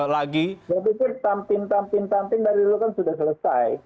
ya tapi tim tim tim dari dulu kan sudah selesai